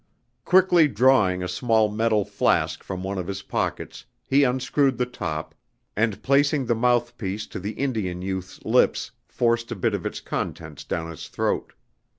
Quickly drawing a small metal flask from one of his pockets he unscrewed the top, and placing the mouthpiece to the Indian youth's lips forced a bit of its contents down his throat.